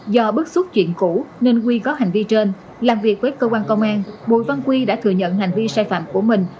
do bức xúc chuyện cũ nên quy có hành vi trên làm việc với cơ quan công an bùi văn quy đã thừa nhận hành vi sai phạm của mình